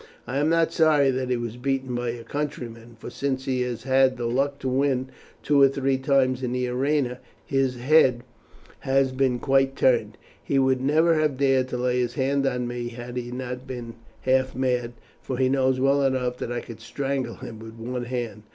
I am not sorry that he was beaten by your countryman, for since he has had the luck to win two or three times in the arena, his head has been quite turned. He would never have dared to lay his hand on me had he not been half mad, for he knows well enough that I could strangle him with one hand.